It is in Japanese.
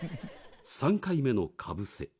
・３回目のかぶせ。